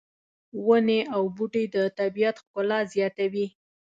ونې او بوټي د طبیعت ښکلا زیاتوي